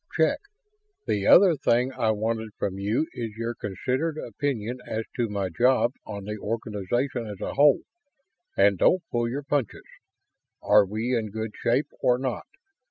"Check. The other thing I wanted from you is your considered opinion as to my job on the organization as a whole. And don't pull your punches. Are we in good shape or not?